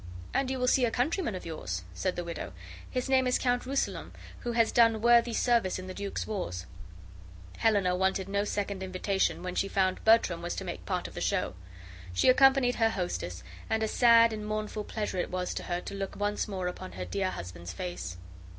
"And you will see a countryman of yours," said the widow. "His name is Count Rousillon, who has done worthy service in the duke's wars." Helena wanted no second invitation, when she found Bertram was to make part of the show. She accompanied her hostess; and a sad and mournful pleasure it was to her to look once more upon her dear husband's face.